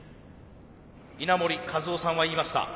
稲盛和夫さんは言いました。